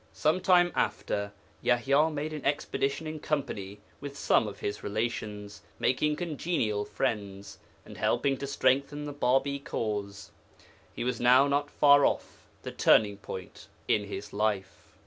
Some time after, Yaḥya made an expedition in company with some of his relations, making congenial friends, and helping to strengthen the Bābī cause. He was now not far off the turning point in his life.